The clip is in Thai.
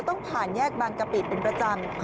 ต้องผ่านแยกบางกะปิเป็นประจำ